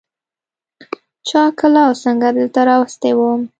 چا کله او څنگه دلته راوستى وم.